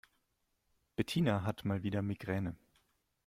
Bettina hat mal wieder Migräne.